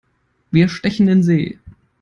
Wir stechen in See!